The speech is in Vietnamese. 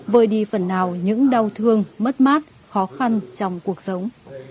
vơi đi phần nào những đau thương mất mát khó khăn trong cuộc sống